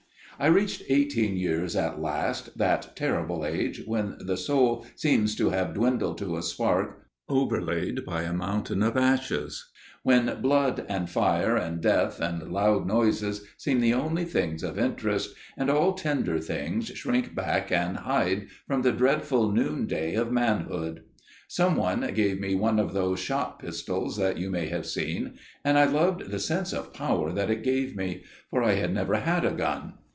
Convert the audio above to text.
"I reached eighteen years at last, that terrible age when the soul seems to have dwindled to a spark overlaid by a mountain of ashes––when blood and fire and death and loud noises seem the only things of interest, and all tender things shrink back and hide from the dreadful noonday of manhood. Some one gave me one of those shot pistols that you may have seen, and I loved the sense of power that it gave me, for I had never had a gun.